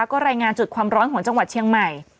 ก็รายงานจุดความร้อนของจังหวัดเชียงใหม่